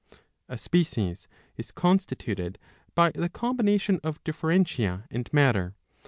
(A species is constituted by the combination of differentia and matter.